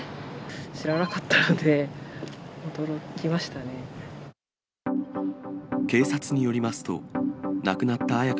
知らなかったので、驚きましたね。